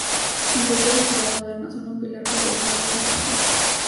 En cualquier sociedad moderna son un pilar para el desarrollo de las personas.